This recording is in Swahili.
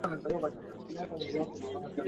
Wizara ya kilimo inafanya vyema